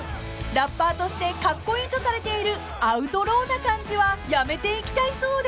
［ラッパーとしてカッコイイとされているアウトローな感じはやめていきたいそうで］